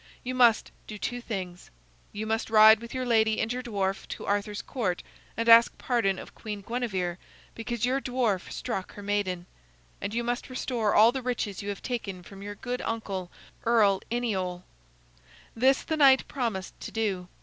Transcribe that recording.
You must do two things: you must ride with your lady and your dwarf to Arthur's Court and ask pardon of Queen Guinevere because your dwarf struck her maiden; and you must restore all the riches you have taken from your good uncle, Earl Iniol." This the knight promised to do.